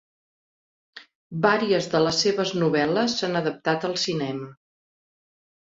Vàries de les seves novel·les s'han adaptat al cinema.